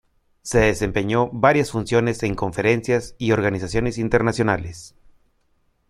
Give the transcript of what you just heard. Se desempeñó varias funciones en conferencias y organizaciones internacionales.